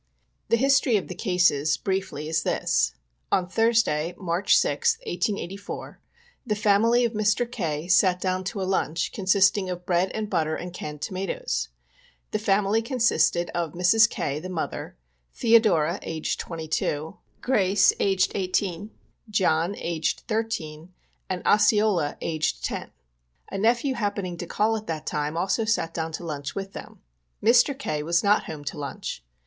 The history of the cases, briefly, is this : On Thursday, March 6th, 1884, the family of Mr. K. sat down to a lunch, consisting of bread and butter and canned tomatoes. The family consisted of Mrs. K., the mother ; Theodora, aged 22 ; Grace, aged 18 ; John, aged 13, and Osceola, aged 10. A nephew happening to call at that time also sat down to lunch with them. Mr. K. was not home to lunch.